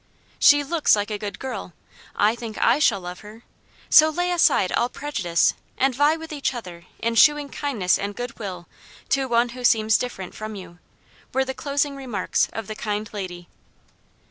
"She looks like a good girl; I think I shall love her, so lay aside all prejudice, and vie with each other in shewing kindness and good will to one who seems different from you," were the closing remarks of the kind lady.